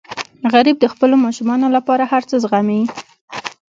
غریب د خپلو ماشومانو لپاره هر څه زغمي